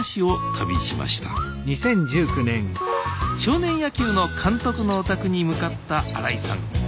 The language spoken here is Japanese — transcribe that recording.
少年野球の監督のお宅に向かった新井さん。